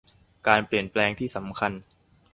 การเปลี่ยนแปลงที่สำคัญ